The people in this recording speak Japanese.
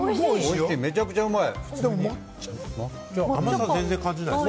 めちゃくちゃうまい！